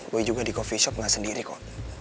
gue juga di coffee shop nggak sendiri kok